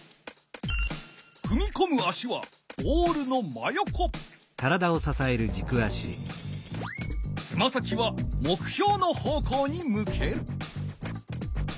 まずはつま先は目標の方向に向ける。